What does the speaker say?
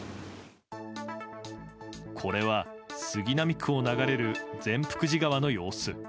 これは杉並区を流れる善福寺川の様子。